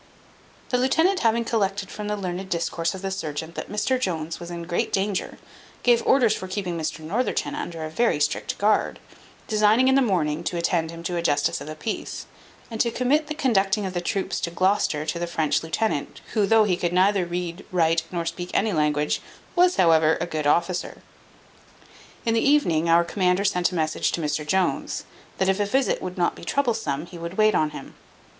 The lieutenant having collected from the learned discourse of the surgeon that Mr Jones was in great danger, gave orders for keeping Mr Northerton under a very strict guard, designing in the morning to attend him to a justice of peace, and to commit the conducting the troops to Gloucester to the French lieutenant, who, though he could neither read, write, nor speak any language, was, however, a good officer. In the evening, our commander sent a message to Mr Jones, that if a visit would not be troublesome, he would wait on him.